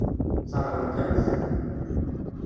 Sseṛɣent-am-t.